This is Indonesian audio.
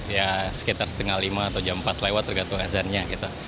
ya sekitar setengah lima atau jam empat lewat tergantung azannya gitu